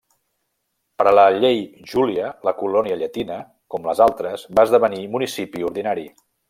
Per la llei Júlia, la colònia llatina, com les altres, va esdevenir municipi ordinari.